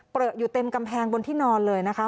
อยู่เต็มกำแพงบนที่นอนเลยนะคะ